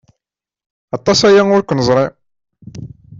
Aṭas aya ur k-neẓri.